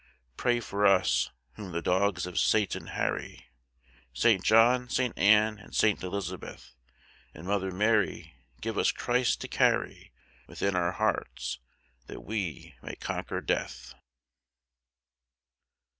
Pray for us, whom the dogs of Satan harry, Saint John, Saint Anne, and Saint Elizabeth. And, Mother Mary, give us Christ to carry Within our hearts, that we may conquer death.